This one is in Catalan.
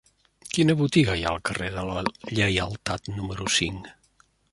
Quina botiga hi ha al carrer de la Lleialtat número cinc?